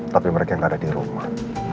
tapi mereka yang ada di rumah